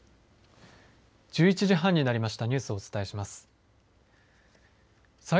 １１時半になりました。